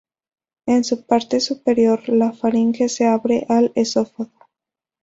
En su parte superior, la faringe se abre al esófago.